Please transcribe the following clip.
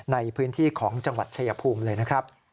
ในพื้นที่ของจังหวัดชายภูมิเลยนะครับ